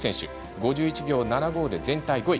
５１秒７５で全体５位。